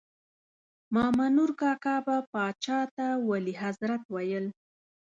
مامنور کاکا به پاچا ته ولي حضرت ویل.